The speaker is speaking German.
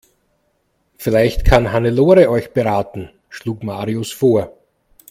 Vielleicht kann Hannelore euch beraten, schlug Marius vor.